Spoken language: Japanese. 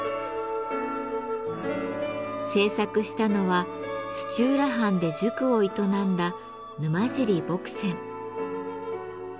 制作したのは土浦藩で塾を営んだ沼尻墨僊。